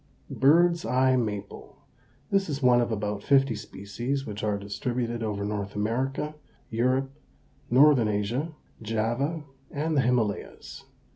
BIRD'S EYE MAPLE. This is one of about fifty species, which are distributed over North America, Europe, Northern Asia, Java, and the Himalayas.